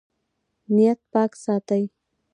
نیت پاک ساتئ